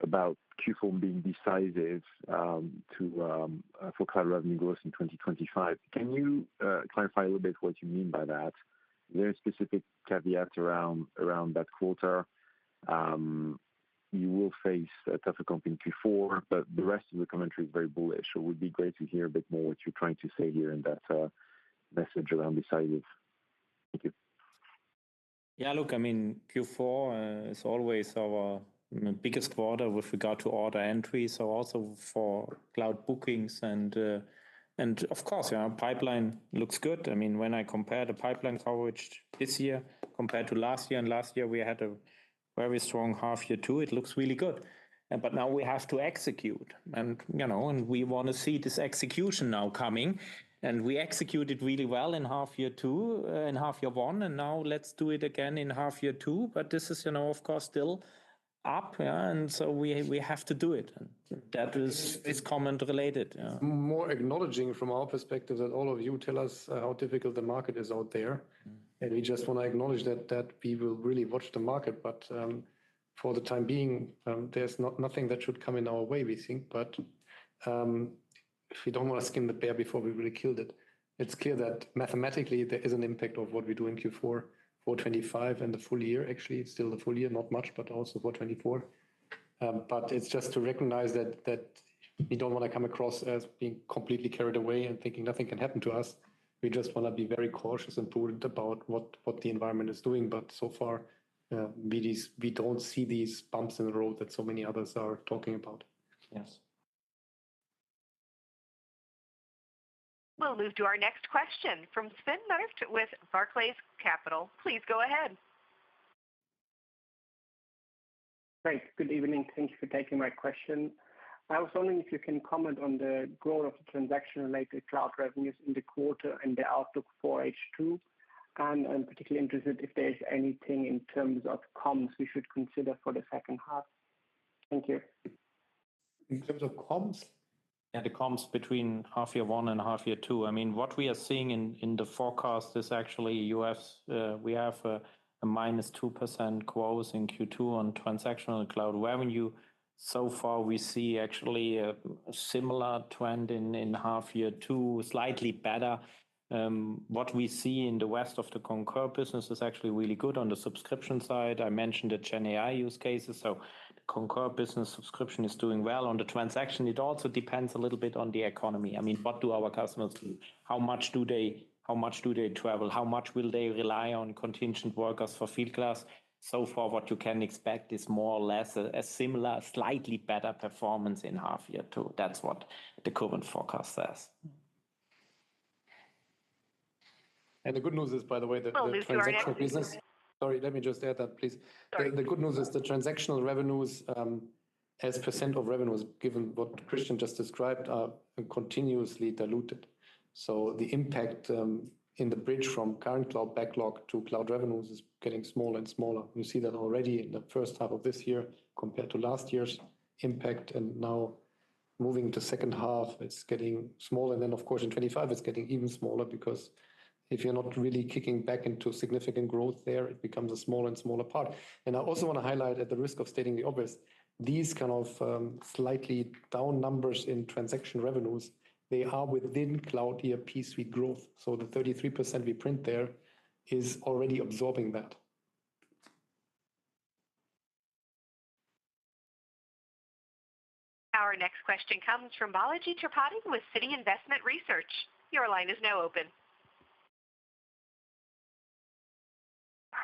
about Q4 being decisive, to, for cloud revenue growth in 2025, can you, clarify a little bit what you mean by that? Very specific caveat around, around that quarter. You will face a tougher comp in Q4, but the rest of the commentary is very bullish, so it would be great to hear a bit more what you're trying to say here in that, message around decisive. Thank you. Yeah, look, I mean, Q4 is always our biggest quarter with regard to order entry, so also for cloud bookings and, of course, our pipeline looks good. I mean, when I compare the pipeline coverage this year compared to last year, and last year we had a very strong half year two, it looks really good. But now we have to execute and, you know, and we want to see this execution now coming, and we executed really well in half year two, in half year one, and now let's do it again in half year two. But this is, you know, of course, still up, yeah, and so we have to do it, and that is comment related. More acknowledging from our perspective, that all of you tell us, how difficult the market is out there, and we just want to acknowledge that, that we will really watch the market. But, for the time being, there's nothing that should come in our way, we think. But, if we don't want to skin the bear before we really killed it, it's clear that mathematically there is an impact of what we do in Q4 for 2025 and the full year. Actually, it's still the full year, not much, but also for 2024. But it's just to recognize that, that we don't want to come across as being completely carried away and thinking nothing can happen to us. We just want to be very cautious and prudent about what, what the environment is doing. But so far, we don't see these bumps in the road that so many others are talking about. Yes. We'll move to our next question from Sven Merkt with Barclays. Please go ahead. Great. Good evening. Thank you for taking my question. I was wondering if you can comment on the growth of the transaction-related cloud revenues in the quarter and the outlook for H2? I'm particularly interested if there is anything in terms of comps we should consider for the second half. Thank you. In terms of comps? Yeah, the comps between half year one and half year two. I mean, what we are seeing in the forecast is actually U.S., we have a -2% growth in Q2 on transactional cloud revenue. So far, we see actually a similar trend in half year two, slightly better. What we see in the rest of the Concur business is actually really good on the subscription side. I mentioned the GenAI use cases, so Concur business subscription is doing well. On the transaction, it also depends a little bit on the economy. I mean, what do our customers do? How much do they travel? How much will they rely on contingent workers for Fieldglass? So far, what you can expect is more or less a similar, slightly better performance in half year two. That's what the current forecast says. The good news is, by the way, the transactional business- Well, you see, are you- Sorry, let me just add that, please. Sorry. The good news is the transactional revenues, as percent of revenues, given what Christian just described, are continuously diluted. So the impact, in the bridge from current cloud backlog to cloud revenues is getting smaller and smaller. We see that already in the first half of this year compared to last year's impact, and now moving to second half, it's getting smaller. Then, of course, in 25, it's getting even smaller because if you're not really kicking back into significant growth there, it becomes a smaller and smaller part. And I also want to highlight, at the risk of stating the obvious, these kind of, slightly down numbers in transaction revenues, they are within Cloud ERP Suite growth. So the 33% we print there is already absorbing that. Our next question comes from Balaji Tirupati with Citi Investment Research. Your line is now open.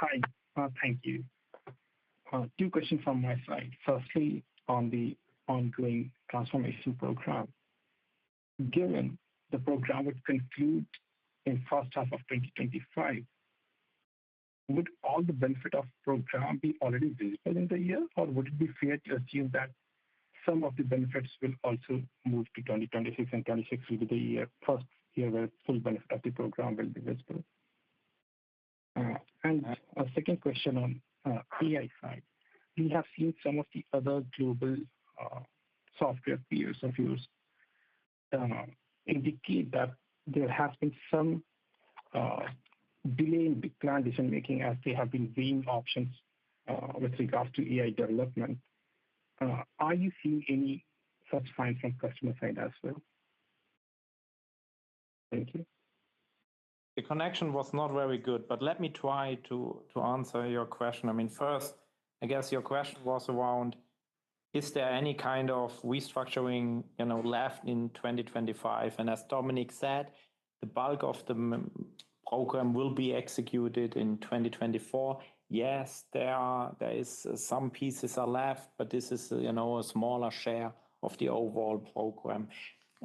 Hi. Thank you. Two questions from my side. Firstly, on the ongoing transformation program. Given the program would conclude in first half of 2025, would all the benefit of program be already visible in the year, or would it be fair to assume that some of the benefits will also move to 2026, and 2026 will be the year, first year where full benefit of the program will be visible? And a second question on AI side. We have seen some of the other global software peers of yours indicate that there have been some delay in big client decision-making as they have been weighing options with regard to AI development. Are you seeing any such signs from customer side as well? Thank you. The connection was not very good, but let me try to answer your question. I mean, first, I guess your question was around: is there any kind of restructuring, you know, left in 2025? And as Dominik said, the bulk of the program will be executed in 2024. Yes, there are some pieces left, but this is, you know, a smaller share of the overall program.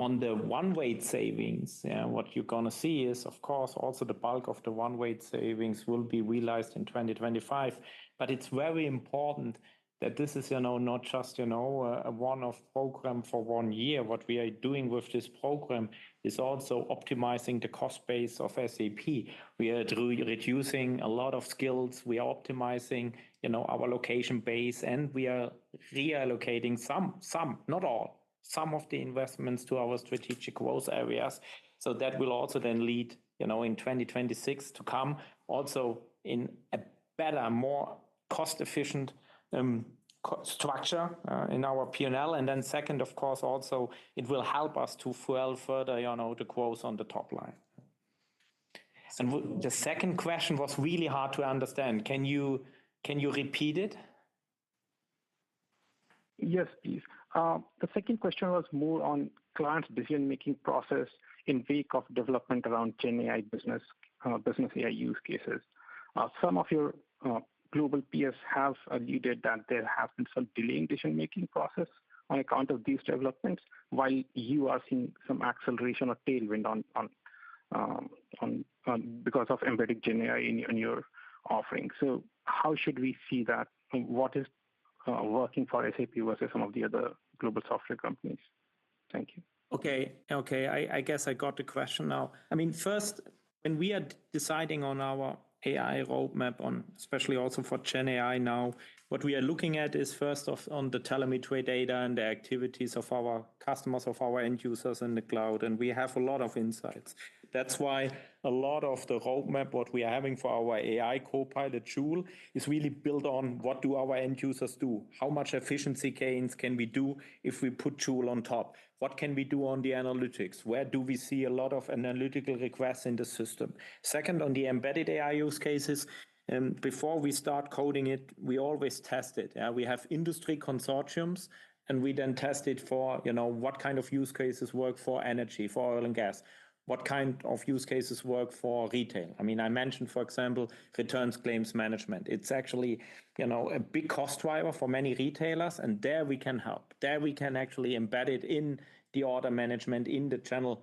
On the wage savings, what you're gonna see is, of course, also the bulk of the wage savings will be realized in 2025. But it's very important that this is, you know, not just, you know, a one-off program for one year. What we are doing with this program is also optimizing the cost base of SAP. We are re-reducing a lot of skills, we are optimizing, you know, our location base, and we are reallocating some, not all, some of the investments to our strategic growth areas. So that will also then lead, you know, in 2026 to come, also in a better, more cost-efficient cost structure in our P&L. And then second, of course, also, it will help us to fuel further, you know, the growth on the top line. And the second question was really hard to understand. Can you, can you repeat it? Yes, please. The second question was more on client decision-making process in wake of development around GenAI business, business AI use cases. Some of your global peers have alluded that there have been some delay in decision-making process on account of these developments, while you are seeing some acceleration or tailwind on, because of embedded GenAI in your offerings. So how should we see that, and what is working for SAP versus some of the other global software companies? Thank you. Okay. Okay, I guess I got the question now. I mean, first, when we are deciding on our AI roadmap on, especially also for GenAI now, what we are looking at is, first off, on the telemetry data and the activities of our customers, of our end users in the cloud, and we have a lot of insights. That's why a lot of the roadmap, what we are having for our AI copilot tool, is really built on what do our end users do? How much efficiency gains can we do if we put tool on top? What can we do on the analytics? Where do we see a lot of analytical requests in the system? Second, on the embedded AI use cases, and before we start coding it, we always test it. We have industry consortiums, and we then test it for, you know, what kind of use cases work for energy, for oil and gas? What kind of use cases work for retail? I mean, I mentioned, for example, returns claims management. It's actually, you know, a big cost driver for many retailers, and there we can help. There we can actually embed it in the order management, in the channel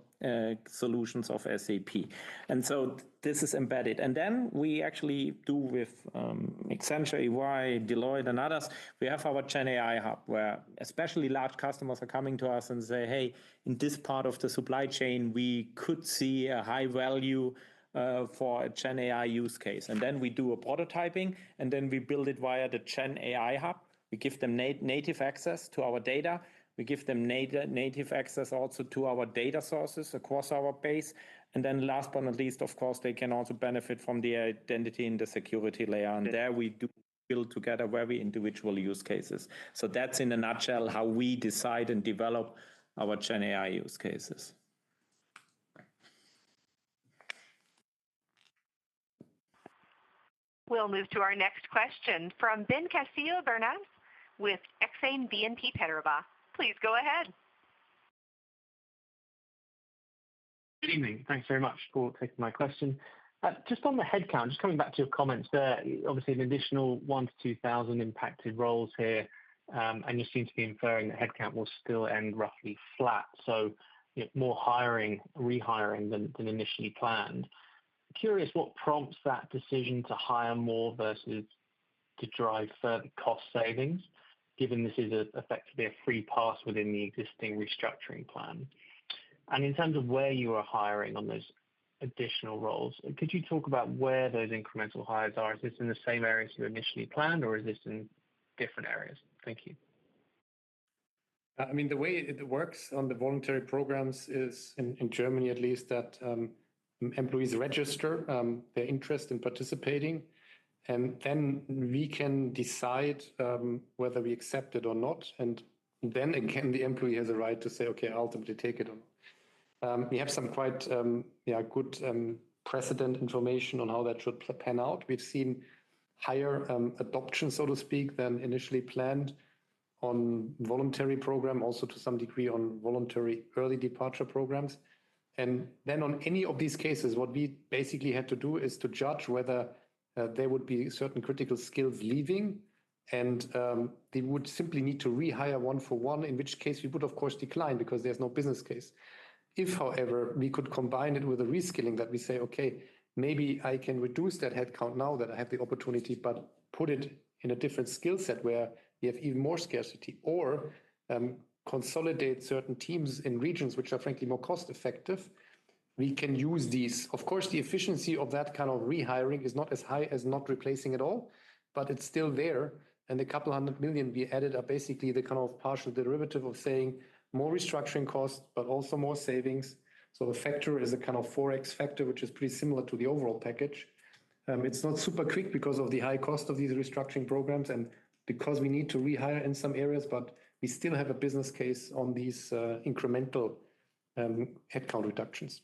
solutions of SAP. And so this is embedded. And then we actually do with Accenture, EY, Deloitte, and others, we have our GenAI Hub, where especially large customers are coming to us and say, "Hey, in this part of the supply chain, we could see a high value for a GenAI use case." And then we do a prototyping, and then we build it via the GenAI Hub. We give them native access to our data. We give them native access also to our data sources across our base. And then last but not least, of course, they can also benefit from the identity and the security layer, and there we do build together very individual use cases. So that's in a nutshell how we decide and develop our GenAI use cases. We'll move to our next question from Ben Castillo-Bernaus with Exane BNP Paribas. Please go ahead. Good evening. Thanks very much for taking my question. Just on the headcount, just coming back to your comments there, obviously, an additional 1,000-2,000 impacted roles here, and you seem to be inferring that headcount will still end roughly flat, so, you know, more hiring, rehiring than, than initially planned. Curious what prompts that decision to hire more versus to drive further cost savings, given this is effectively a free pass within the existing restructuring plan? And in terms of where you are hiring on those additional roles, could you talk about where those incremental hires are? Is this in the same areas you initially planned, or is this in different areas? Thank you. I mean, the way it works on the voluntary programs is, in Germany at least, that, employees register, their interest in participating, and then we can decide, whether we accept it or not. And then again, the employee has a right to say, "Okay, I'll ultimately take it on." We have some quite, yeah, good, precedent information on how that should pan out. We've seen higher, adoption, so to speak, than initially planned on voluntary program, also to some degree on voluntary early departure programs. And then on any of these cases, what we basically had to do is to judge whether, there would be certain critical skills leaving, and, they would simply need to rehire one for one, in which case we would, of course, decline because there's no business case. If, however, we could combine it with a reskilling that we say, "Okay, maybe I can reduce that headcount now that I have the opportunity, but put it in a different skill set where you have even more scarcity or, consolidate certain teams in regions which are frankly, more cost-effective," we can use these. Of course, the efficiency of that kind of rehiring is not as high as not replacing at all, but it's still there, and the 200 million we added are basically the kind of partial derivative of saying more restructuring costs, but also more savings. So the factor is a kind of 4x factor, which is pretty similar to the overall package. It's not super quick because of the high cost of these restructuring programs and because we need to rehire in some areas, but we still have a business case on these incremental headcount reductions.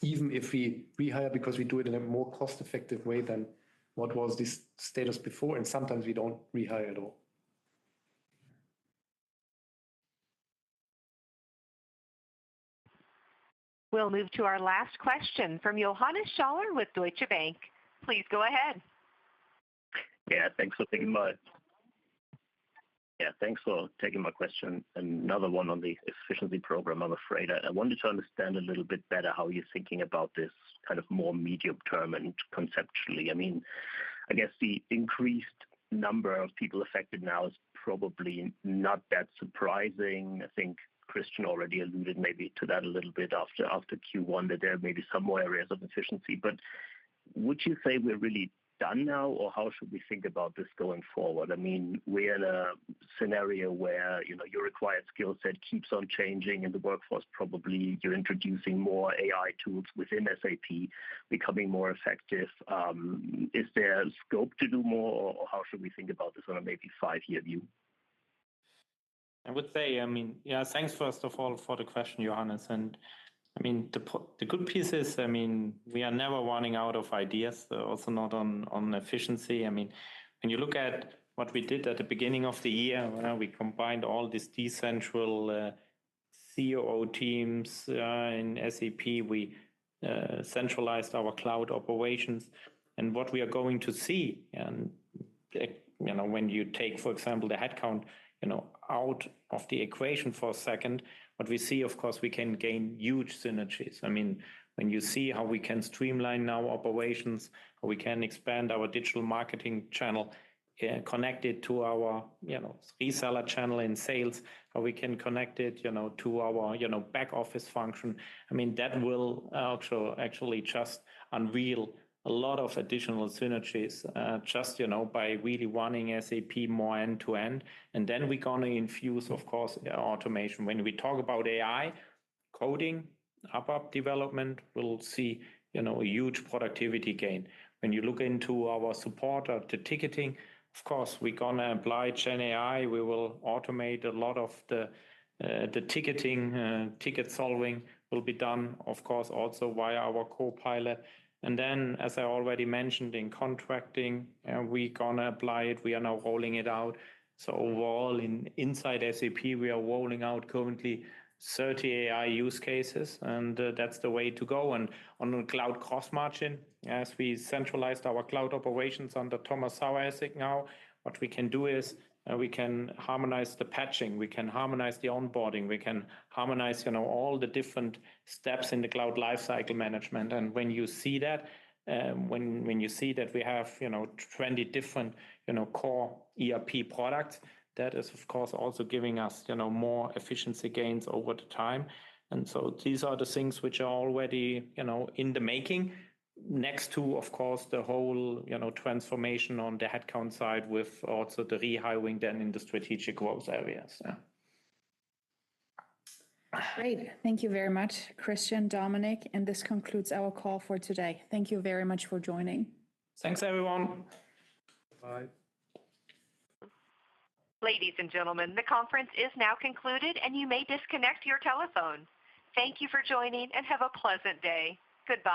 Even if we rehire because we do it in a more cost-effective way than what was the status before, and sometimes we don't rehire at all. We'll move to our last question from Johannes Schaller with Deutsche Bank. Please go ahead. Yeah, thanks for taking my question, another one on the efficiency program, I'm afraid. I wanted to understand a little bit better how you're thinking about this kind of more medium term and conceptually. I mean, I guess the increased number of people affected now is probably not that surprising. I think Christian already alluded maybe to that a little bit after Q1, that there may be some more areas of efficiency. But would you say we're really done now, or how should we think about this going forward? I mean, we're in a scenario where, you know, your required skill set keeps on changing in the workforce. Probably you're introducing more AI tools within SAP, becoming more effective. Is there scope to do more, or how should we think about this on a maybe five-year view? I would say, I mean... Yeah, thanks, first of all, for the question, Johannes. And I mean, the good piece is, I mean, we are never running out of ideas, also not on efficiency. I mean, when you look at what we did at the beginning of the year, when we combined all these decentralized COO teams in SAP, we centralized our cloud operations. And what we are going to see, and, you know, when you take, for example, the headcount, you know, out of the equation for a second, what we see, of course, we can gain huge synergies. I mean, when you see how we can streamline now operations, how we can expand our digital marketing channel, connect it to our, you know, reseller channel in sales, how we can connect it, you know, to our, you know, back office function, I mean, that will actually just unveil a lot of additional synergies, just, you know, by really wanting SAP more end-to-end. And then we're gonna infuse, of course, automation. When we talk about AI, coding, ABAP development, we'll see, you know, a huge productivity gain. When you look into our support or the ticketing, of course, we're gonna apply GenAI. We will automate a lot of the, the ticketing. Ticket solving will be done, of course, also via our copilot. And then, as I already mentioned in contracting, we're gonna apply it. We are now rolling it out. So overall, inside SAP, we are rolling out currently 30 AI use cases, and, that's the way to go. And on the cloud cost margin, as we centralized our cloud operations under Thomas Saueressig now, what we can do is, we can harmonize the patching, we can harmonize the onboarding, we can harmonize, you know, all the different steps in the cloud lifecycle management. And when you see that, when, when you see that we have, you know, 20 different, you know, core ERP products, that is, of course, also giving us, you know, more efficiency gains over the time. And so these are the things which are already, you know, in the making. Next to, of course, the whole, you know, transformation on the headcount side, with also the rehiring then in the strategic growth areas, yeah. Great. Thank you very much, Christian, Dominik, and this concludes our call for today. Thank you very much for joining. Thanks, everyone. Bye. Ladies and gentlemen, the conference is now concluded, and you may disconnect your telephone. Thank you for joining, and have a pleasant day. Goodbye.